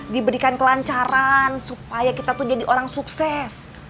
diberikan kelancaran supaya kita tuh jadi orang sukses